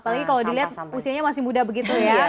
apalagi kalau dilihat usianya masih muda begitu ya